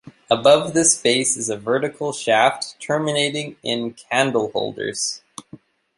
Above this base is a vertical shaft terminating in candleholders.